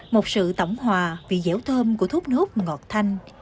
một sự tổng hòa vì dẻo thơm của thốt nốt ngọt thanh